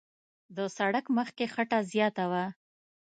د سړک مخ کې خټه زیاته وه.